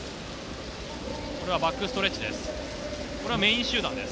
バックストレッチです。